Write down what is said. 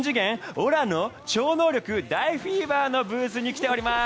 オラの超能力大フィーバーのブースに来ております！